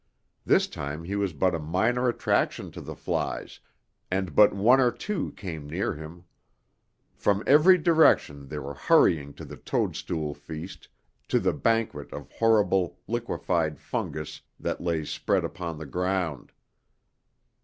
This time he was but a minor attraction to the flies, and but one or two came near him. From every direction they were hurrying to the toadstool feast, to the banquet of horrible, liquefied fungus that lay spread upon the ground.